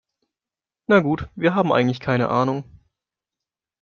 Na gut, wir haben eigentlich keine Ahnung.